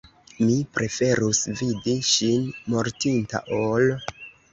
Mi preferus vidi ŝin mortinta ol.